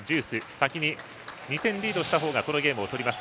先に２点リードしたほうがこのゲームとります。